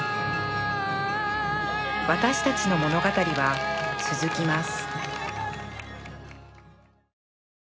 わたしたちの物語は続きます